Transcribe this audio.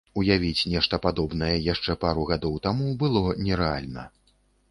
Уявіць нешта падобнае яшчэ пару гадоў таму было нерэальна.